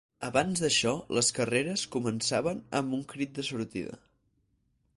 Abans d'això, les carreres començaven amb un crit de sortida.